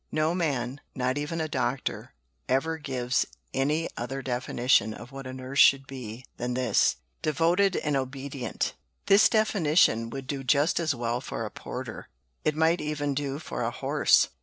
"No man, not even a doctor, ever gives any other definition of what a nurse should be than this 'devoted and obedient.' This definition would do just as well for a porter. It might even do for a horse.